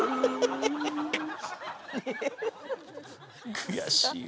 悔しいわ。